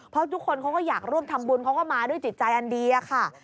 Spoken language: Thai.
เพราะทุกคนเขาก็อยากร่วมทำบุญเขาก็มาด้วยจิตใจอันดีอะค่ะ